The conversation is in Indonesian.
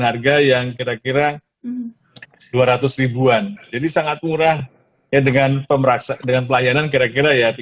harga yang kira kira dua ratus ribuan jadi sangat murah ya dengan pemerasa dengan pelayanan kira kira ya